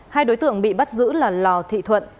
hai đối tượng bị bắt giữ là lò thị thuận